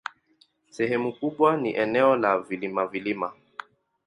Sehemu kubwa ni eneo la vilima-vilima.